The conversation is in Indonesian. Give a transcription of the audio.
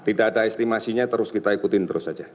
tidak ada estimasinya terus kita ikutin terus saja